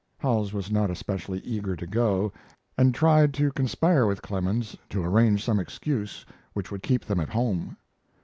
Howells was not especially eager to go, and tried to conspire with Clemens to arrange some excuse which would keep them at home.